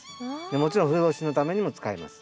もちろん冬越しのためにも使います。